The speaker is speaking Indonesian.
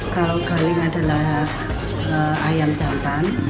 kalau guling adalah ayam jantan